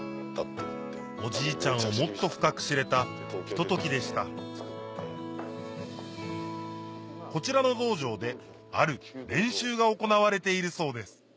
おじいちゃんをもっと深く知れたひとときでしたこちらの道場である練習が行われているそうです